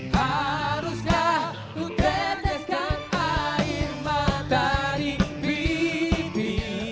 haruskah ku teteskan air mata di pipi